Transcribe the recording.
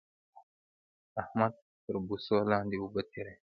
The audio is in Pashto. احمد تر بوسو لاندې اوبه تېروي